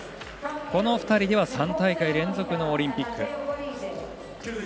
この２人では３大会連続のオリンピック。